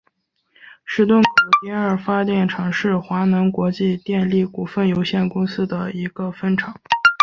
石洞口第二发电厂是华能国际电力股份有限公司的一个分厂。